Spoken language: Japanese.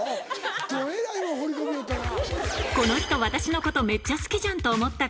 どえらいもん放り込みよったな。